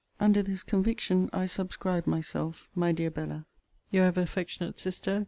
Under this conviction I subscribe myself, my dear Bella, Your ever affectionate sister, CL.